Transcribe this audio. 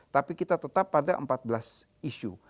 tapi kita tetap pada empat belas isu